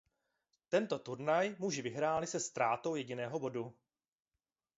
Tento turnaj muži vyhráli se ztrátou jediného bodu.